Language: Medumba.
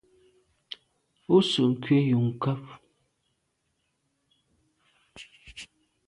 Ú sə̂’ nkwé yu nkàb.